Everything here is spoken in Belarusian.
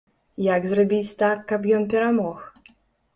Як зрабіць так, каб ён перамог?